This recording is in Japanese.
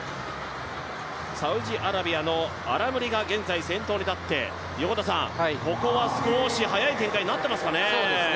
サウジアラビアのアラムリが先頭に立って、ここは速い展開になっていますかね。